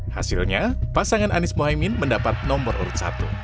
hasilnya pasangan anies mohaimin mendapat nomor urut satu